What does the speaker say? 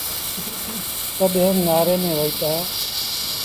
تڏهيݩ نآري ميݩ وهيٚتآ۔